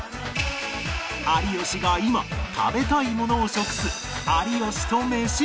有吉が今食べたいものを食す有吉とメシ